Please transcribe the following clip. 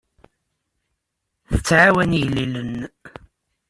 Tettɛawan igellilen.